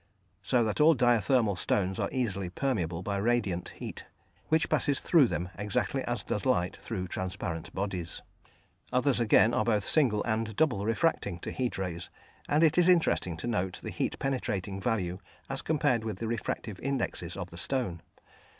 So that all diathermal stones are easily permeable by radiant heat, which passes through them exactly as does light through transparent bodies. Others, again, are both single and double refracting to heat rays, and it is interesting to note the heat penetrating value as compared with the refractive indexes of the stone.